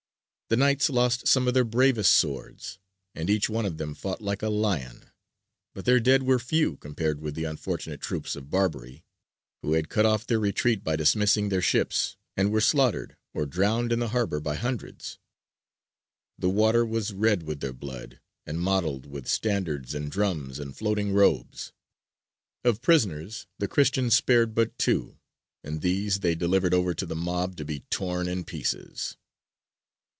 The Knights lost some of their bravest swords, and each one of them fought like a lion: but their dead were few compared with the unfortunate troops of Barbary, who had cut off their retreat by dismissing their ships, and were slaughtered or drowned in the harbour by hundreds. The water was red with their blood, and mottled with standards and drums and floating robes. Of prisoners, the Christians spared but two, and these they delivered over to the mob to be torn in pieces.